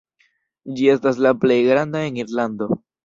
Ĝi estas la plej granda en Irlando.